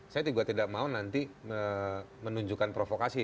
saya juga tidak mau nanti menunjukkan provokasi